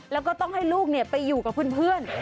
แล้วก็ต้องให้ลูกไปอยู่กับเพื่อน